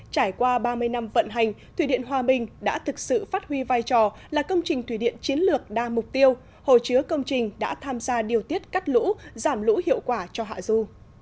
trải qua ba mươi năm vận hành thủy điện hòa bình đã thực sự phát huy vai trò là công trình thủy điện chiến lược đa mục tiêu hồ chứa công trình đã tham gia điều tiết cắt lũ giảm lũ hiệu quả cho hạ du